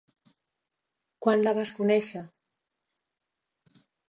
Quan la vas conèixer?